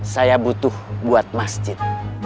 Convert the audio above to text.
saya butuh buat masjid